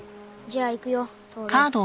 じゃあいくよ透。